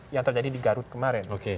yang terjadi di garut kemarin